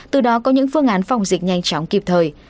từ đó có những phương án phòng dịch nhanh chóng kịp thời